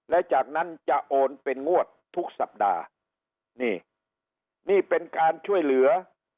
และจากนั้นจะโอนเป็นงวดทุกสัปดาห์นี่นี่เป็นการช่วยเหลือ